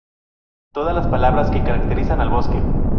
Todas palabras que caracterizan al Bosque.